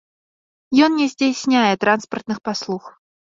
Ён не здзяйсняе транспартных паслуг.